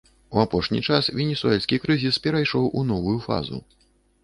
У апошні час венесуэльскі крызіс перайшоў у новую фазу.